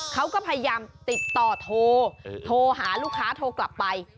เขาก็พยายามติดต่อโทรโทรหาลูกค้าโทรกลับไป